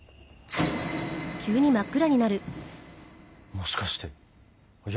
もしかしていや